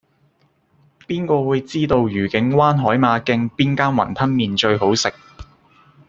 邊個會知道愉景灣海馬徑邊間雲吞麵最好食